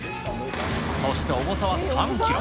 そして重さは３キロ。